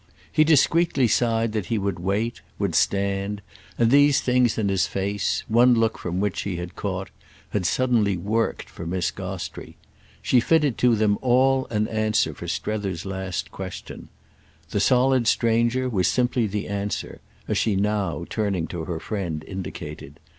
He discreetly signed that he would wait, would stand, and these things and his face, one look from which she had caught, had suddenly worked for Miss Gostrey. She fitted to them all an answer for Strether's last question. The solid stranger was simply the answer—as she now, turning to her friend, indicated.